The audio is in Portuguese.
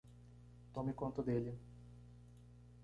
Tome conta dele.